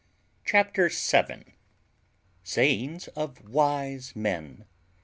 CHAPTER VII. _Sayings of wise men.